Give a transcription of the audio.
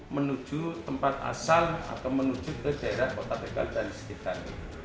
menuju tempat asal atau menuju ke daerah kota tegal dan sekitarnya